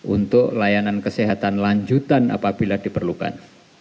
untuk layanan kesehatan lanjutan apabila diperlukan